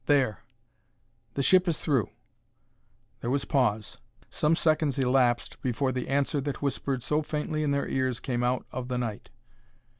There! The ship is through!" There was pause; some seconds elapsed before the answer that whispered so faintly in their ears came out of the night.